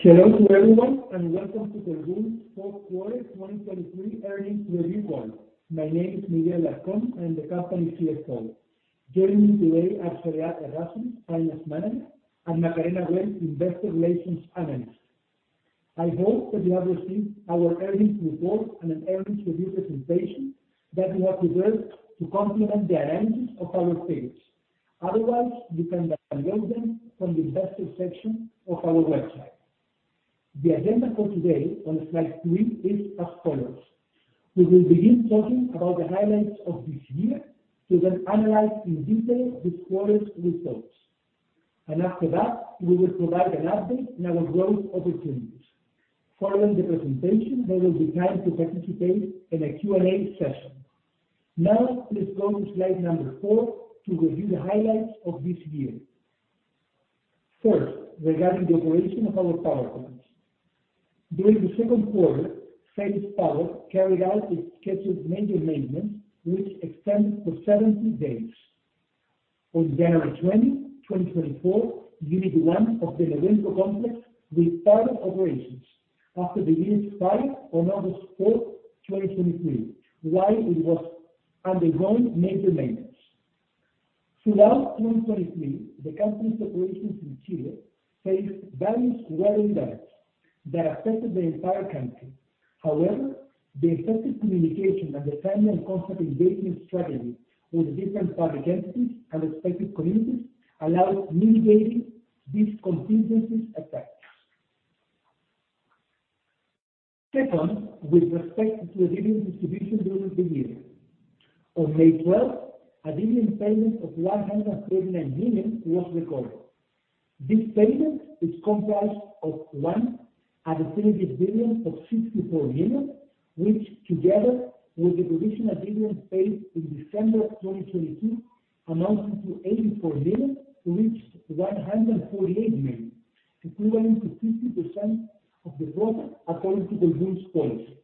Hello to everyone, and welcome to the Colbún Q4 2023 earnings review call. My name is Miguel Alarcón, I'm the company's CFO. Joining me today are Soledad Errázuriz, Finance Manager, and Macarena Güell, Investor Relations Analyst. I hope that you have received our earnings report and an earnings review presentation that we have prepared to complement the analysis of our peers. Otherwise, you can download them from the investor section of our website. The agenda for today, on slide three, is as follows: We will begin talking about the highlights of this year, to then analyze in detail this quarter's results. After that, we will provide an update on our growth opportunities. Following the presentation, there will be time to participate in a Q&A session. Now, let's go to slide number four to review the highlights of this year. First, regarding the operation of our power plants. During the Q2, Fenix Power carried out its scheduled major maintenance, which extended for 70 days. On January 20, 2024, Unit 1 of the Nehuenco complex restarted operations after it began fire on August 4, 2023, while it was undergoing major maintenance. Throughout 2023, the company's operations in Chile faced various weather events that affected the entire country. However, the effective communication and the timely and constant engagement strategy with different public entities and affected communities allowed mitigating these contingencies effects. Second, with respect to the dividend distribution during the year. On May 12, a dividend payment of $139 million was recorded. This payment is comprised of, one, a definitive dividend of $64 million, which together with the provisional dividend paid in December 2022, amounted to $84 million, to reach $148 million, equivalent to 50% of the profit according to the group's policy.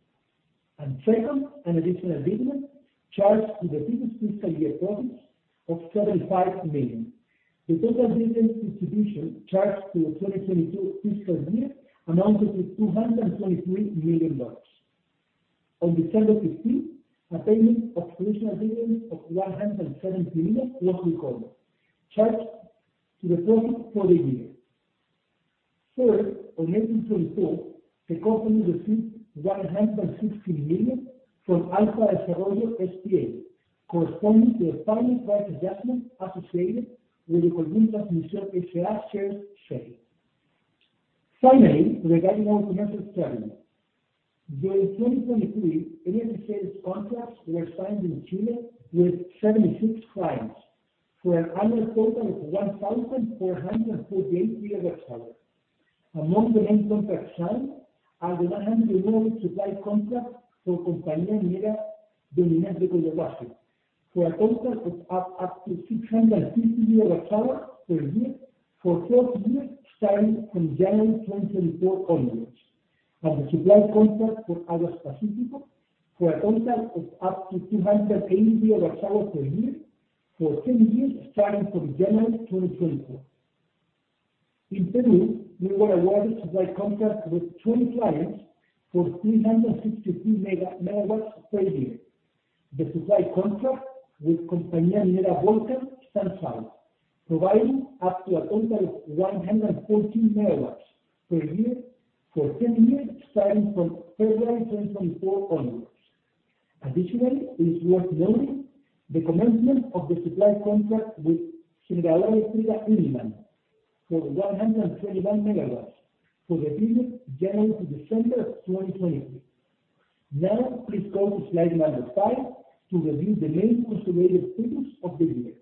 Second, an additional dividend charged to the previous fiscal year profits of $75 million. The total dividend distribution charged to the 2022 fiscal year amounted to $223 million. On December 15, a payment of additional dividend of $170 million was recorded, charged to the profit for the year. Third, on April 24, the company received $116 million from Alfa Desarrollo S.p.A, corresponding to a final price adjustment associated with the Colbún Transmisión S.A shares sale. Finally, regarding our commercial strategy. During 2023, energy sales contracts were signed in Chile with 76 clients for an annual total of 1,448 GWh. Among the main contracts signed are the renewable supply contract for Compañía Minera Doña Inés de Collahuasi, for a total of up to 650 GWh per year, for 12 years, starting from January 2024 onwards, and the supply contract for Aguas Pacífico, for a total of up to 280 GWh per year, for 10 years, starting from January 2024. In Peru, we were awarded supply contracts with 20 clients for 363 MW per year. The supply contract with Compañía Minera Volcan stands out, providing up to a total of 114 MW per year for 10 years, starting from February 2024 onwards. Additionally, it is worth noting the commencement of the supply contract with Generadora Eléctrica Illimani, for 121 MW, for the period January to December of 2023. Now, please go to slide number five to review the main consolidated figures of the year.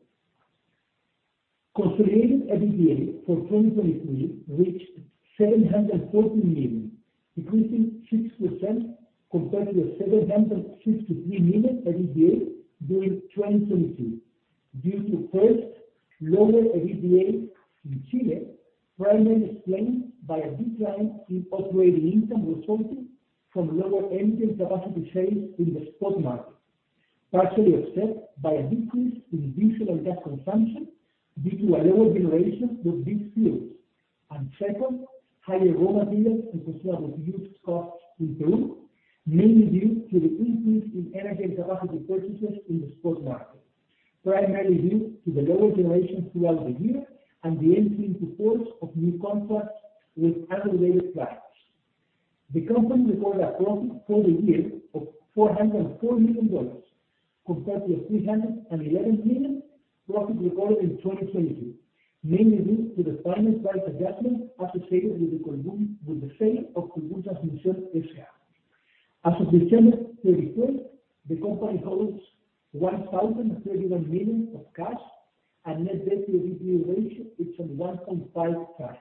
Consolidated EBITDA for 2023 reached $714 million, increasing 6% compared to the $763 million EBITDA during 2022. Due to, first, lower EBITDA in Chile, primarily explained by a decline in operating income resulting from lower energy and capacity sales in the spot market, partially offset by a decrease in diesel and gas consumption due to a lower generation with these fuels. And second, higher raw materials and consumable use costs in Peru, mainly due to the increase in energy and capacity purchases in the spot market, primarily due to the lower generation throughout the year and the entry into force of new contracts with unregulated clients. The company recorded a profit for the year of $404 million, compared to the $311 million profit recorded in 2022, mainly due to the final price adjustment associated with the Colbún—with the sale of Colbún Transmisión S.A. As of December 31, the company holds $1,031 million of cash and net debt to EBITDA ratio is 1.5 times.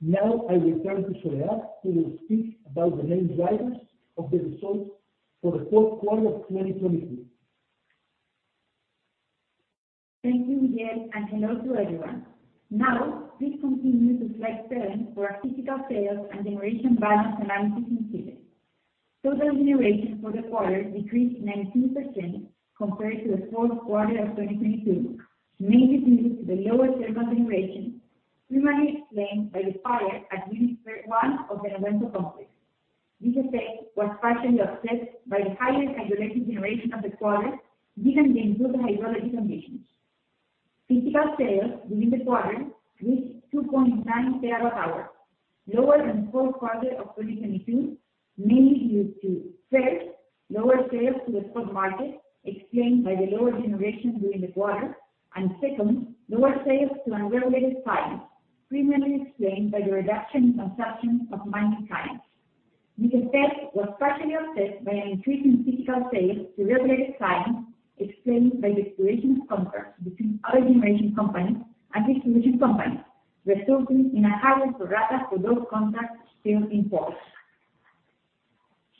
Now, I return to Soledad, who will speak about the main drivers of the results for the Q4 of 2023. Thank you, Miguel, and hello to everyone. Now, please continue to slide seven for our typical sales and generation volume analysis in Chile. Total generation for the quarter decreased 19% compared to the Q4 of 2022, mainly due to the lower thermal generation, primarily explained by the fire at Unit 1 of the Nehuenco complex. This effect was partially offset by the higher hydroelectric generation of the quarter, given the improved hydrology conditions. Physical sales during the quarter reached 2.9 TWh, lower than Q4 of 2022, mainly due to, first, lower sales to the spot market, explained by the lower generation during the quarter, and second, lower sales to unregulated clients, primarily explained by the reduction in consumption of mining clients. This effect was partially offset by an increase in physical sales to regulated clients, explained by the expiration of contracts between other generation companies and distribution companies, resulting in a higher pro rata for those contracts still in force.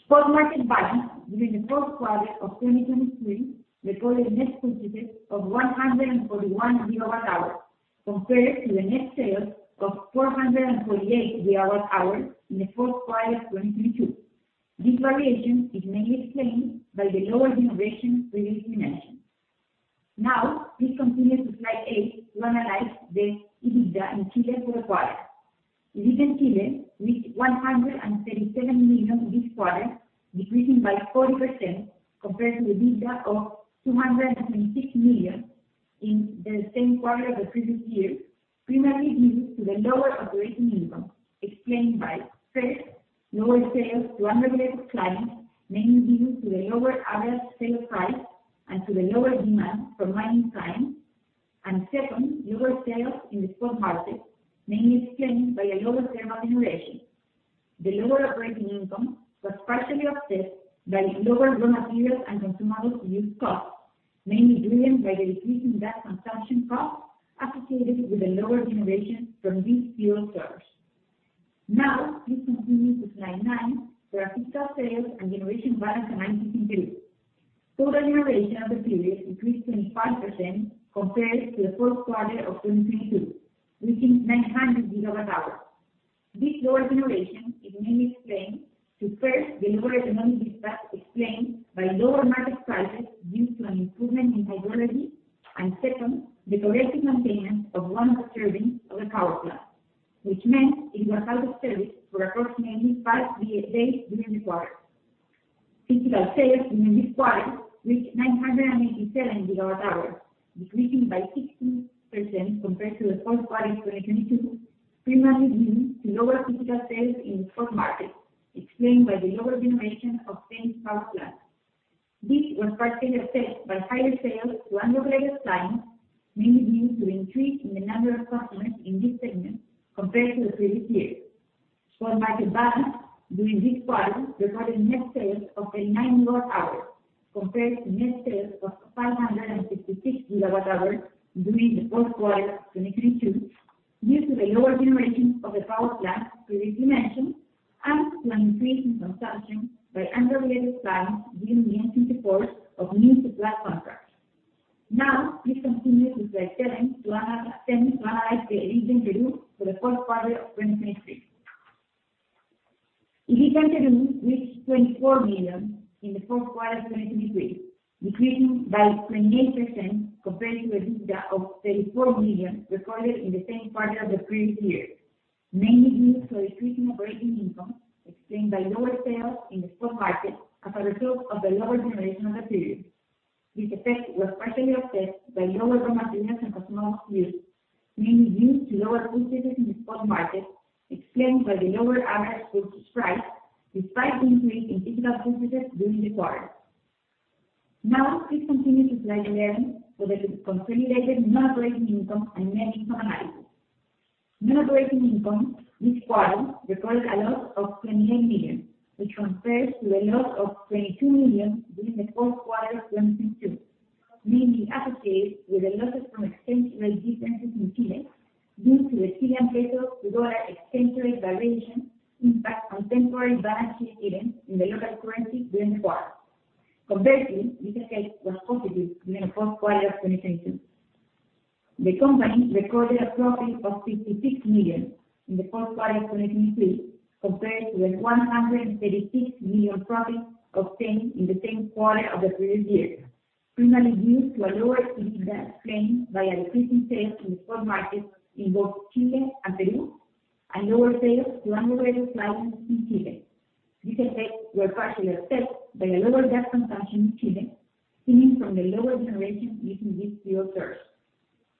Spot market volumes during the Q4 of 2023 recorded net purchases of 141 GWh, compared to the net sales of 448 GWh in the Q4 of 2022. This variation is mainly explained by the lower generation previously mentioned. Now, please continue to slide eight to analyze the EBITDA in Chile for the quarter. EBITDA in Chile reached $137 million in this quarter, decreasing by 40% compared to the EBITDA of $226 million in the same quarter of the previous year, primarily due to the lower operating income, explained by, first, lower sales to unregulated clients, mainly due to the lower average sales price and to the lower demand from mining clients. And second, lower sales in the spot market, mainly explained by a lower thermal generation. The lower operating income was partially offset by lower raw materials and consumables used costs, mainly driven by the decrease in gas consumption costs associated with the lower generation from these fuel sources. Now, please continue to slide nine, for our physical sales and generation balance and ITP in Peru. Total generation of the period increased 25% compared to the Q4 of 2022, reaching 900 GWh. This lower generation is mainly explained to, first, the lower economic dispatch, explained by lower market prices due to an improvement in hydrology, and second, the corrective maintenance of one of the turbines of the power plant, which meant it was out of service for approximately five days during the quarter. Physical sales during this quarter reached 997 GWh, decreasing by 16% compared to the Q4 of 2022, primarily due to lower physical sales in the spot market, explained by the lower generation of same power plant. This was partially offset by higher sales to unregulated clients, mainly due to increase in the number of customers in this segment compared to the previous year. Spot market volumes during this quarter recorded net sales of 89 GWh, compared to net sales of 556 GWh during the Q4 of 2022, due to the lower generation of the power plant previously mentioned, and to an increase in consumption by unregulated clients during the entry into force of new supply contracts. Now, please continue to slide 10, to analyze the EBITDA in Peru for the Q4 of 2023. EBITDA in Peru reached $24 million in the Q4 of 2023, decreasing by 28% compared to the EBITDA of $34 million recorded in the same quarter of the previous year, mainly due to a decrease in operating income, explained by lower sales in the spot market as a result of the lower generation of the period. This effect was partially offset by lower raw materials and consumables used, mainly due to lower purchases in the spot market, explained by the lower average purchase price, despite the increase in physical purchases during the quarter. Now, please continue to slide 11, for the consolidated non-operating income and net income analysis. Non-operating income this quarter recorded a loss of $28 million, which compares to a loss of $22 million during the Q4 of 2022, mainly associated with the losses from exchange rate differences in Chile, due to the Chilean peso to dollar exchange rate valuation impact on temporary balance sheet items in the local currency during the quarter. Conversely, this effect was positive during the Q4 of 2022. The company recorded a profit of $56 million in the Q4 of 2023, compared to the $136 million profit obtained in the same quarter of the previous year, primarily due to a lower EBITDA, explained by a decrease in sales in the spot market in both Chile and Peru, and lower sales to unregulated clients in Chile. This effect were partially offset by the lower gas consumption in Chile, stemming from the lower generation using these fuel sources.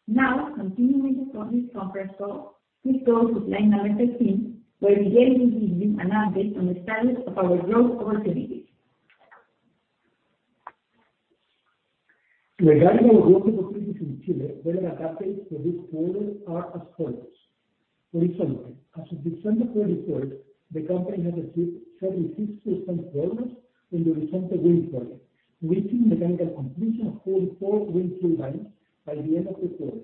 Now, continuing with the earnings conference call, please go to slide 13, where Miguel will give you an update on the status of our growth opportunities. Regarding our growth opportunities in Chile, the updates for this quarter are as follows: Horizonte, as of December 31st, the company has achieved 76% progress in the Horizonte wind project, reaching mechanical completion of all four wind turbines by the end of the quarter.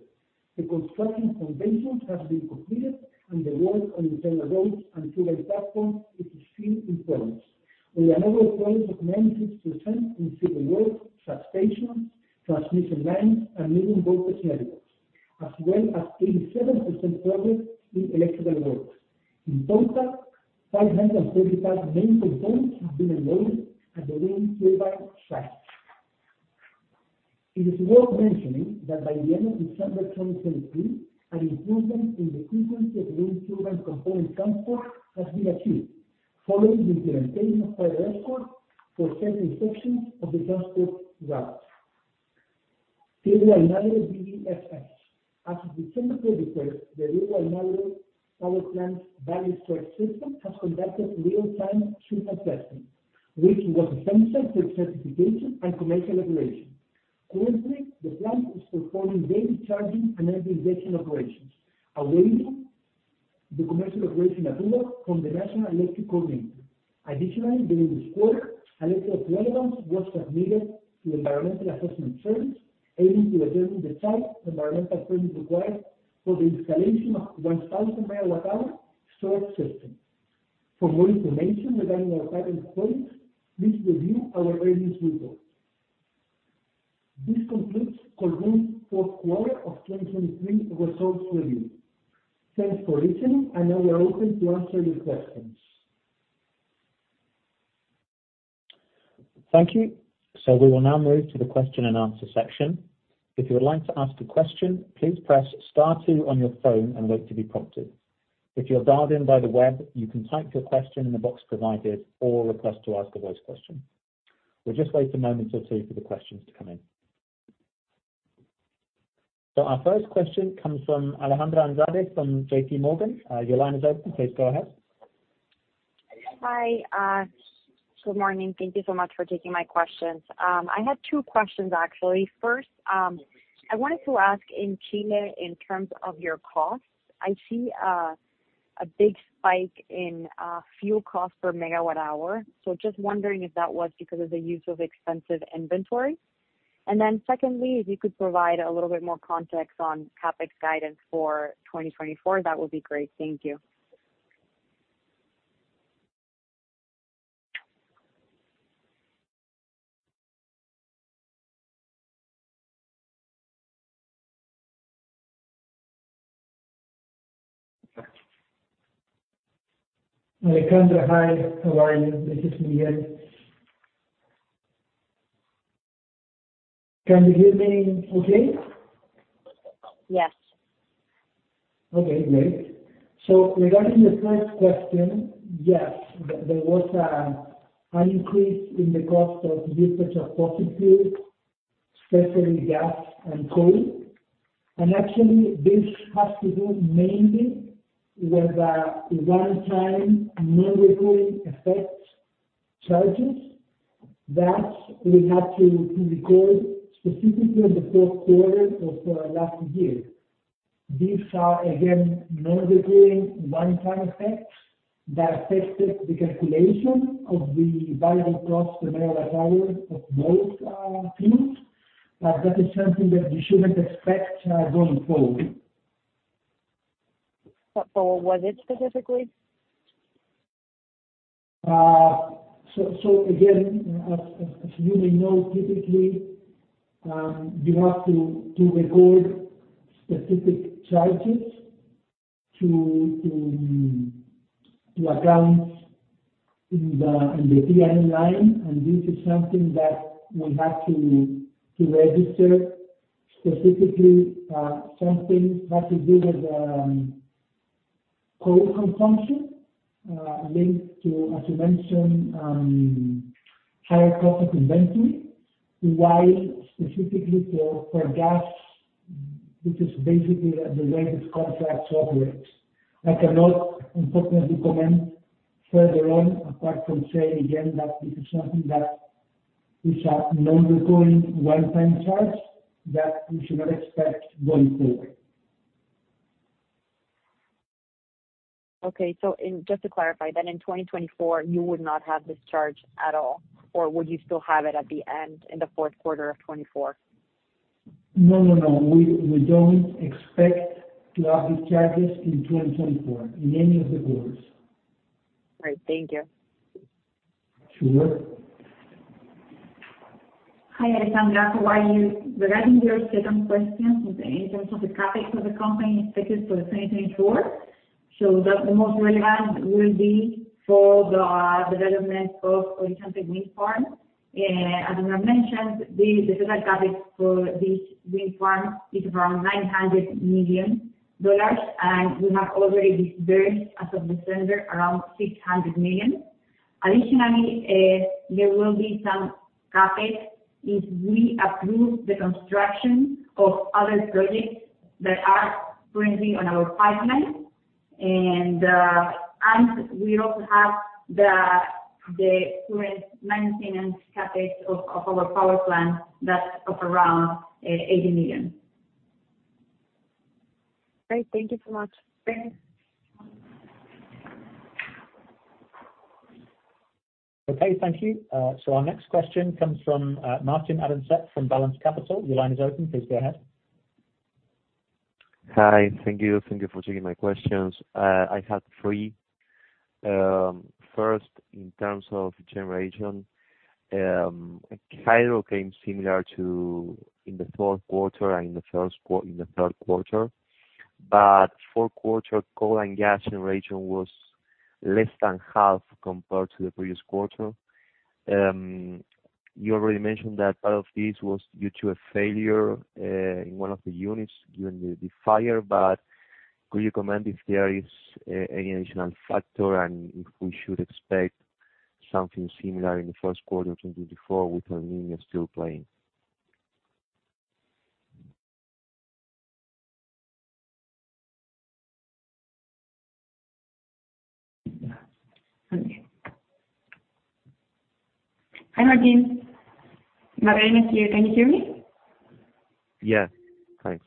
The construction foundations have been completed, and the work on internal roads and turbine platforms is proceeding in progress, with an overall point of 96% in civil work, substations, transmission lines, and medium-voltage networks, as well as 87% progress in electrical work. In total, 535 main components have been installed at the wind turbine sites. It is worth mentioning that by the end of December 2023, an improvement in the frequency of wind turbine component transport has been achieved, following the implementation of prior escort for certain sections of the transport route, Diego de Almagro BESS. As of December 31, the Diego de Almagro power plant battery storage system has conducted real-time system testing, which was essential for certification and commercial operation. Currently, the plant is performing daily charging and energy injection operations, awaiting the commercial operation approval from the National Electric Coordinator. Additionally, during this quarter, a letter of relevance was submitted to Environmental Assessment Service, aiming to determine the type of environmental permit required for the installation of 1,000 MWh storage system. For more information regarding our current projects, please review our earnings report. This completes Colbún's Q4 of 2023 results review. Thanks for listening, and now we are open to answer your questions. Thank you. So we will now move to the question and answer section. If you would like to ask a question, please press star two on your phone and wait to be prompted. If you're dialed in by the web, you can type your question in the box provided or request to ask a voice question. We'll just wait a moment or two for the questions to come in. So our first question comes from Alejandra Andrade from J.P. Morgan. Your line is open. Please go ahead. Hi, good morning. Thank you so much for taking my questions. I had two questions, actually. First, I wanted to ask in Chile, in terms of your costs, I see a big spike in fuel costs per megawatt hour. So just wondering if that was because of the use of expensive inventory? And then secondly, if you could provide a little bit more context on CapEx guidance for 2024, that would be great. Thank you. Alejandra, hi, how are you? This is Miguel. Can you hear me okay? Yes. Okay, great. So regarding the first question, yes, there was an increase in the cost of different types of fossil fuels, especially gas and coal. And actually, this has to do mainly with one-time, non-recurring effect charges that we had to record specifically in the Q4 of last year. These are, again, non-recurring one-time effects that affected the calculation of the variable cost per megawatt hour of both fuels. But that is something that you shouldn't expect going forward. What was it specifically? So again, as you may know, typically, you have to record specific charges to accounts in the P&L line. And this is something that we have to register specifically, something that to do with coal consumption, linked to, as you mentioned, higher cost of inventory. While specifically for gas, this is basically the way this contract operates. I cannot unfortunately comment further on, apart from saying again, that this is something that is a non-recurring one-time charge that we should not expect going forward. Okay. Just to clarify, then in 2024, you would not have this charge at all, or would you still have it at the end, in the Q4 of 2024? No, no, no. We don't expect to have these charges in 2024, in any of the quarters. All right. Thank you. Sure. Hi, Alejandra, how are you? Regarding your second question, in terms of the CapEx for the company expected for 2024, so the most relevant will be for the development of Horizonte Wind Farm. As Miguel mentioned, the total CapEx for this wind farm is around $900 million, and we have already disbursed, as of December, around $600 million. Additionally, there will be some CapEx, if we approve the construction of other projects that are currently on our pipeline, and we also have the current maintenance CapEx of our power plant that's of around $80 million. Great. Thank you so much. Thanks. Okay, thank you. So our next question comes from Martin Arancet from Balanz Capital. Your line is open, please go ahead. Hi. Thank you. Thank you for taking my questions. First, in terms of generation, Hydro came similar to, in the Q4 and the first in the Q3. But Q4, coal and gas generation was less than half compared to the previous quarter. You already mentioned that part of this was due to a failure in one of the units during the fire, but could you comment if there is any additional factor and if we should expect something similar in the first quarter 2024, with El Niño still playing? Hi, Martin. Macarena here. Can you hear me? Yes. Hi.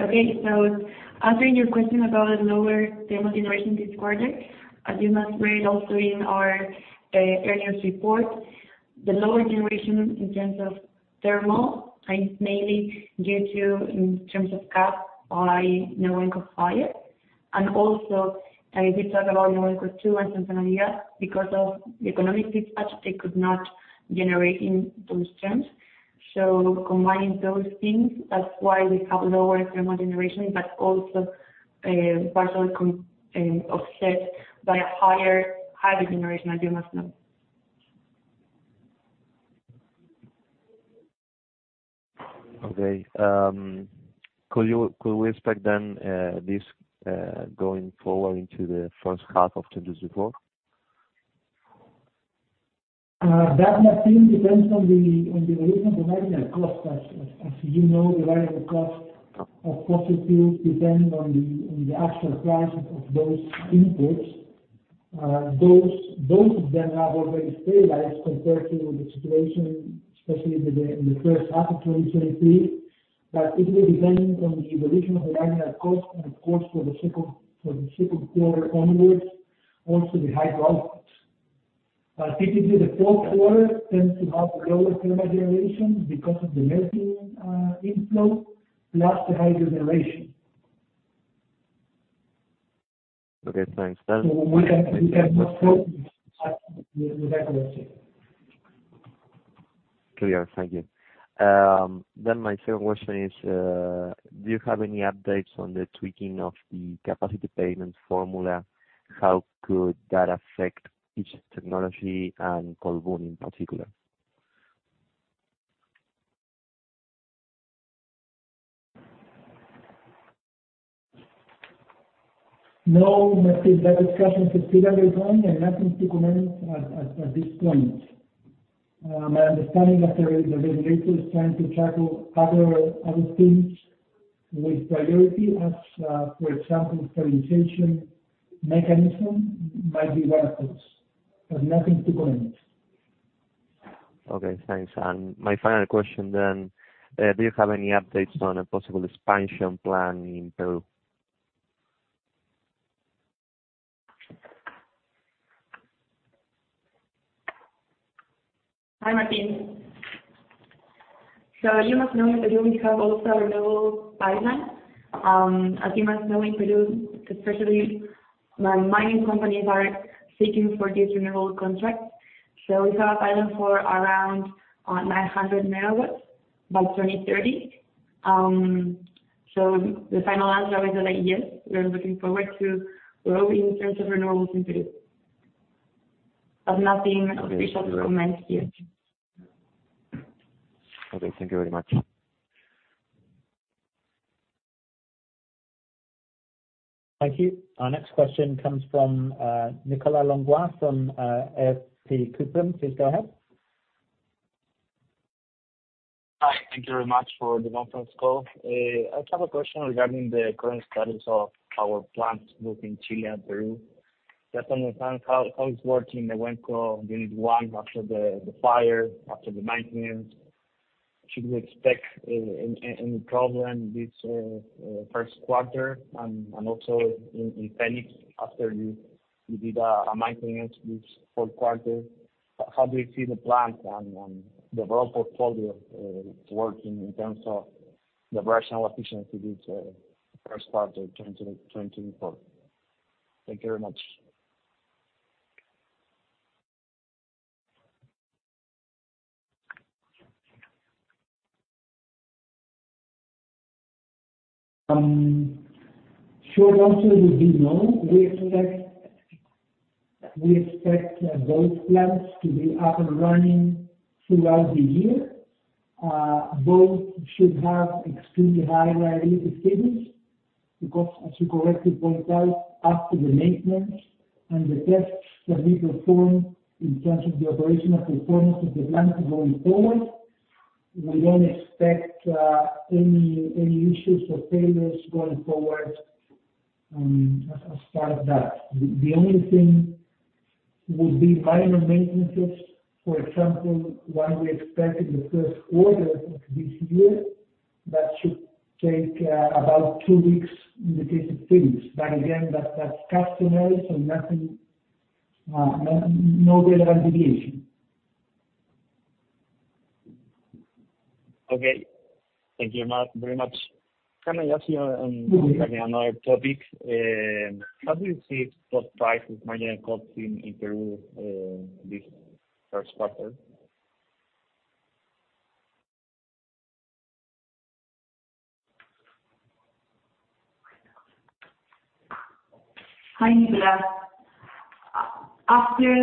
Okay. So answering your question about the lower thermal generation this quarter, as you must read also in our earnings report, the lower generation in terms of thermal is mainly due to, in terms of CapEx, by Nehuenco fire, and also, I did talk about Nehuenco II and Santa María. Because of the economic dispatch, they could not generate in those terms. So combining those things, that's why we have lower thermal generation, but also partially offset by a higher, higher generation, as you must know. Okay, could we expect then this going forward into the first half of 2024? That, Martin, depends on the evolution of the marginal cost. As you know, the variable cost of fossil fuel depend on the actual price of those inputs. Those, both of them have already stabilized compared to the situation, especially in the first half of 2023. But it will depend on the evolution of the marginal cost, and of course, for the Q2 onwards, also the hydro outputs. But typically, the Q4 tends to have lower thermal generation because of the melting, inflow, plus the hydro generation. Okay, thanks. Then- So we have, we have no problem with that question. Clear. Thank you. Then my second question is, do you have any updates on the tweaking of the capacity payment formula? How could that affect each technology and coal volume in particular? No, Martin, that discussion is still ongoing and nothing to comment at this point. My understanding is that the regulator is trying to tackle other things with priority as, for example, prioritization mechanism by the regulators. But nothing to comment. Okay, thanks. And my final question then, do you have any updates on a possible expansion plan in Peru? Hi, Martin. You must know, in Peru we have also a renewable pipeline. As you must know, in Peru, especially my mining companies, are seeking for these renewable contracts. We have a pipeline for around 900 MW by 2030. The final answer is that, yes, we are looking forward to growing in terms of renewables in Peru. But nothing official to comment here. Okay, thank you very much. Thank you. Our next question comes from, Nicolás Langlois, from, AFP Cuprum. Please go ahead. Hi, thank you very much for the conference call. I just have a question regarding the current status of our plants both in Chile and Peru. Just understand how it's working, the Nehuenco Unit One after the fire, after the maintenance. Should we expect any problem this first quarter? And also in Fenix, after you did a maintenance this Q4, how do you see the plant and the broad portfolio working in terms of the operational efficiency this Q1 of 2024? Thank you very much. Sure. Also, as you know, we expect both plants to be up and running throughout the year. Both should have extremely high reliability standards, because as you correctly point out, after the maintenance and the tests that we performed in terms of the operational performance of the plants going forward, we don't expect any issues or failures going forward, as part of that. The only thing would be minor maintenances. For example, one we expect in the first quarter of this year, that should take about two weeks in the case of Fenix. But again, that's customary, so nothing, no relevant deviation. Okay, thank you, Matt, very much. Can I ask you on another topic? How do you see spot prices marginal cost in Peru this first quarter? Hi, Nicholas. After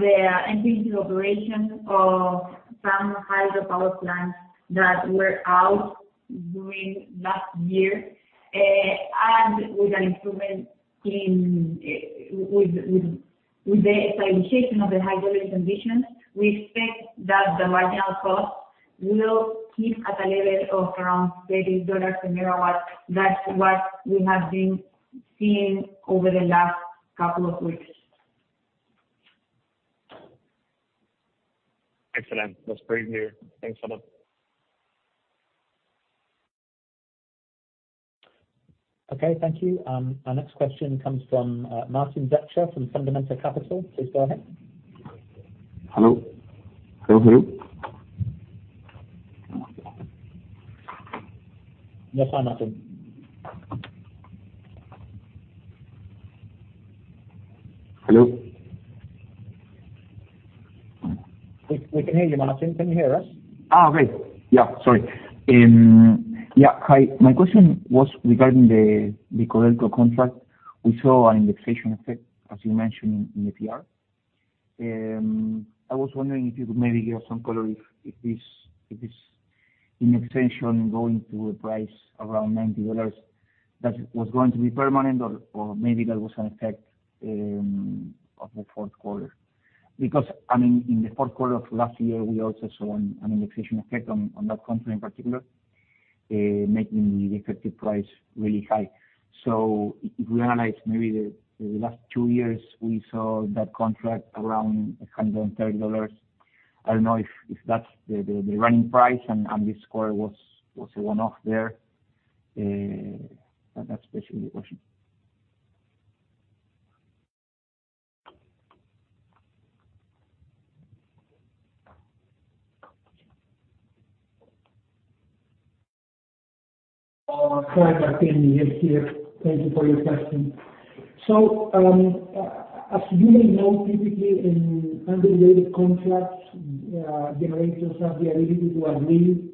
the increasing operations of some hydropower plants that were out during last year, and with an improvement in the stabilization of the hydraulic conditions, we expect that the marginal cost will keep at a level of around $30 per MW. That's what we have been seeing over the last couple of weeks. Excellent. That's great to hear. Thanks a lot. Okay, thank you. Our next question comes from Martin Becher from Fundamenta Capital. Please go ahead. Hello? Hello, hello. No sound, Martin. Hello? We can hear you, Martin. Can you hear us? Ah, great. Yeah, sorry. Yeah, hi. My question was regarding the, the Codelco contract. We saw an indexation effect, as you mentioned in, in the PR. I was wondering if you could maybe give some color if, if this, if this indexation going to a price around $90, that was going to be permanent or, or maybe that was an effect, of the Q4. Because, I mean, in the Q4 of last year, we also saw an, an indexation effect on, on that contract in particular, making the effective price really high. So if we analyze maybe the, the last two years, we saw that contract around $130. I don't know if, if that's the, the, the running price and, and this quarter was, was a one-off there. That's basically the question. Hi, Martin, yes, here. Thank you for your question. So, as you may know, typically in unregulated contracts, generators have the ability to agree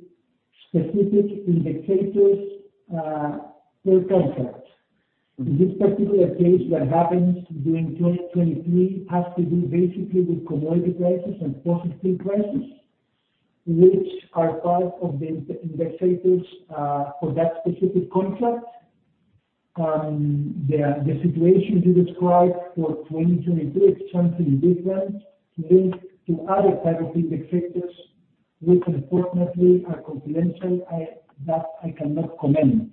specific indexators, per contract. This particular case that happened during 2023 has to do basically with commodity prices and fossil fuel prices, which are part of the indexators, for that specific contract. The situation you described for 2022 is something different, linked to other type of indexators, which unfortunately are confidential. That I cannot comment,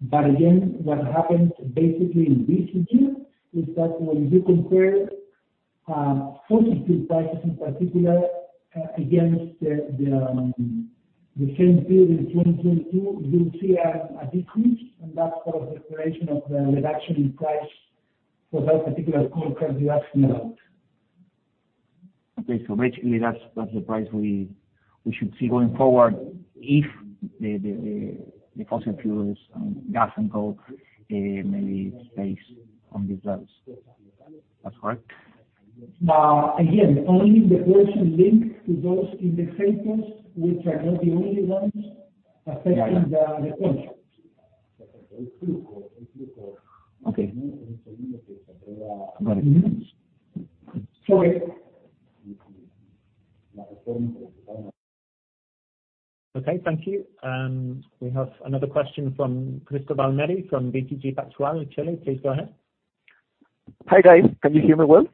but again, what happened basically in this year, is that when you compare, fossil fuel prices in particular, against the same period in 2022, you'll see a decrease, and that's for the duration of the reduction in price for that particular contract you're asking about. Okay. So basically, that's the price we should see going forward if the fossil fuels, gas and coal maybe stays on these levels. That's correct? Again, only the portion linked to those indicators, which are not the only ones. Yeah, yeah. Affecting the contract. Okay. Got it. Mm-hmm. Sorry? Okay, thank you. We have another question from Cristóbal Merry from BTG Pactual, Chile. Please go ahead. Hi, guys. Can you hear me well?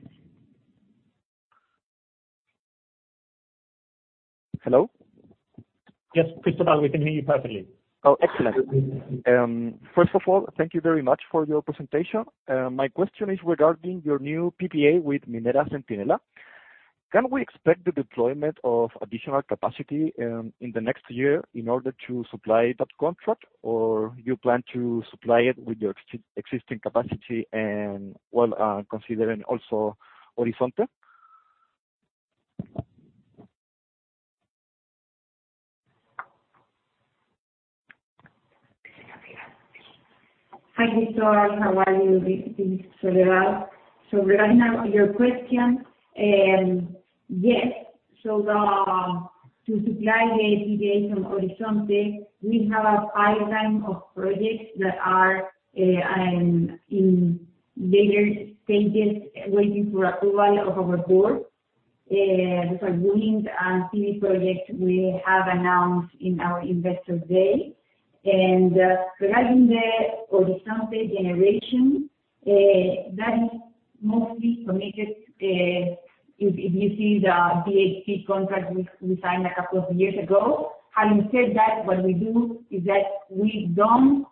Hello? Yes, Cristóbal, we can hear you perfectly. Oh, excellent. First of all, thank you very much for your presentation. My question is regarding your new PPA with Minera Centinela. Can we expect the deployment of additional capacity, in the next year in order to supply that contract, or you plan to supply it with your existing capacity and well, considering also Horizonte? Hi, Cristóbal. How are you? This is Soledad, regarding your question, yes, to supply the PPAs from Horizonte, we have a pipeline of projects that are in later stages, waiting for approval of our board. These are wind and PV projects we have announced in our Investor Day. Regarding the Horizonte generation, that is mostly committed, if you see the BHP contract we signed a couple of years ago. Having said that, what we do is that we don't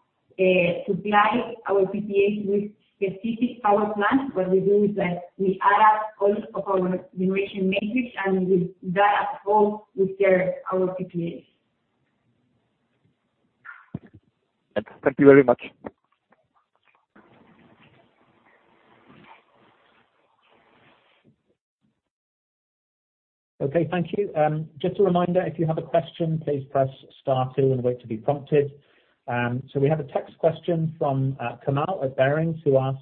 supply our PPAs with specific power plants. What we do is that we add up all of our generation matrix, and with that approach, we serve our PPAs. Thank you very much. Okay, thank you. Just a reminder, if you have a question, please press star two and wait to be prompted. We have a text question from Kamal at Barings, who asks: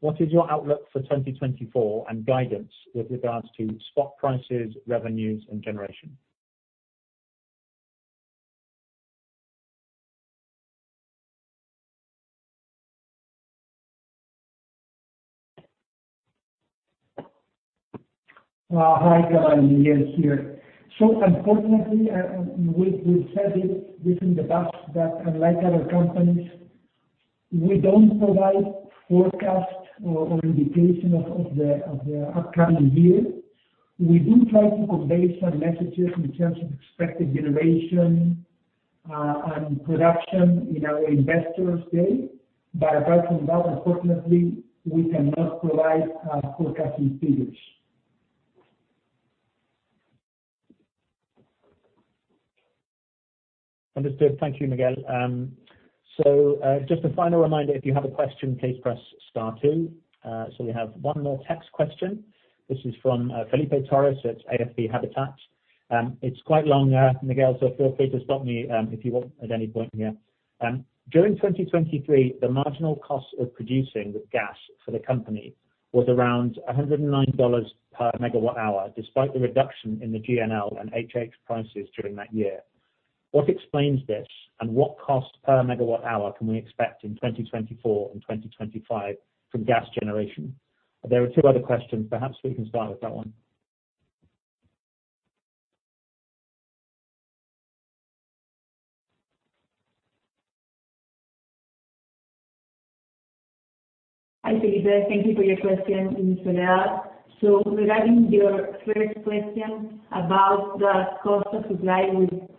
What is your outlook for 2024 and guidance with regards to spot prices, revenues, and generation? Hi, Kamal. Miguel here. So unfortunately, we have said it within the past that unlike other companies, we don't provide forecast or indication of the upcoming year. We do try to convey some messages in terms of expected generation and production in our investor's day. But apart from that, unfortunately, we cannot provide forecasting figures. Understood. Thank you, Miguel. So, just a final reminder, if you have a question, please press star two. So we have one more text question. This is from, Felipe Torres at AFP Habitat. It's quite long, Miguel, so feel free to stop me, if you want, at any point here. During 2023, the marginal cost of producing the gas for the company was around $109/MWh, despite the reduction in the GNL and HH prices during that year. What explains this, and what cost per megawatt hour can we expect in 2024 and 2025 from gas generation? There are two other questions. Perhaps we can start with that one. Hi, Felipe. Thank you for your question, Soledad. Regarding your first question about the cost of supply with mixed fuels, like gas and coal,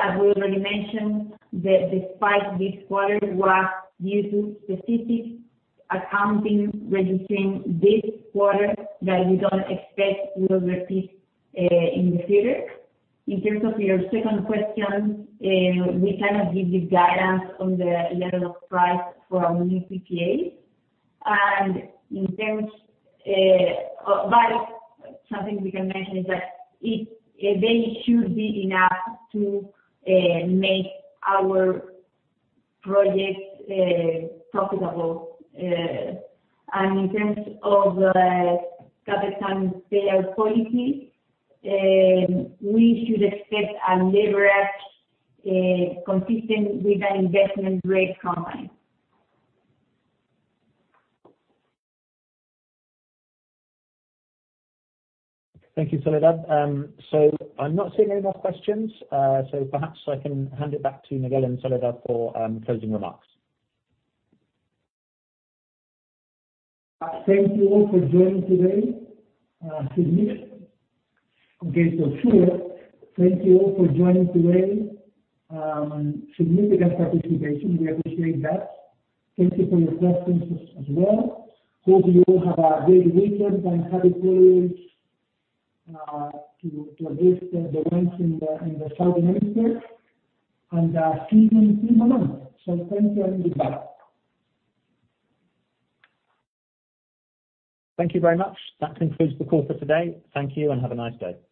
as we already mentioned, the spike this quarter was due to specific accounting registering this quarter, that we don't expect will repeat in the future. In terms of your second question, we cannot give you guidance on the level of price for our new PPAs. And in terms, but something we can mention is that they should be enough to make our projects profitable. In terms of CapEx and payout policy, we should expect a leverage consistent with an investment-grade company. Thank you, Soledad. So I'm not seeing any more questions. So perhaps I can hand it back to Miguel and Soledad for closing remarks. Thank you all for joining today. Significant participation, we appreciate that. Thank you for your questions as well. Hope you all have a great weekend, and happy to those in the southern hemisphere. See you in a month. So thank you and goodbye. Thank you very much. That concludes the call for today. Thank you, and have a nice day.